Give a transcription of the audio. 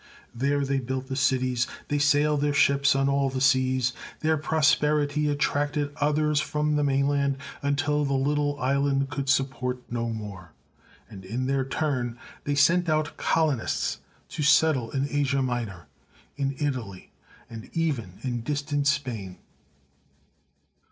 There they built cities; they sailed their ships on all the seas; their prosperity attracted others from the mainland until the little island could support no more, and in their turn they sent out colonists to settle in Asia Minor, in Italy, and even in distant Spain.